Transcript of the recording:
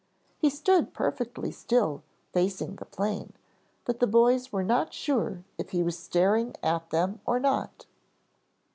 He stood perfectly still facing the plane but the boys were not sure if he was staring at them or not.